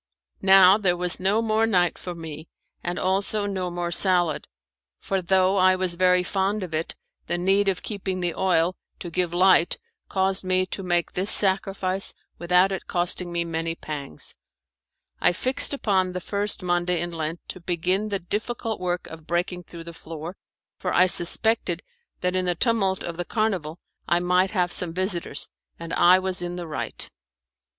Now there was no more night for me, and also no more salad, for though I was very fond of it the need of keeping the oil to give light caused me to make this sacrifice without it costing me many pangs. I fixed upon the first Monday in Lent to begin the difficult work of breaking through the floor, for I suspected that in the tumult of the carnival I might have some visitors, and I was in the right.